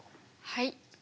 はい。